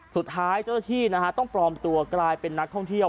สุดท้ายเจ้าหน้าที่ต้องปลอมตัวกลายเป็นนักท่องเที่ยว